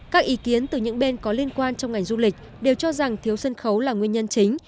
các ý kiến từ những bên có liên quan trong ngành du lịch đều cho rằng thiếu sân khấu là nguyên nhân chính